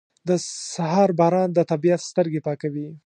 • د سهار باران د طبیعت سترګې پاکوي.